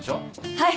はい。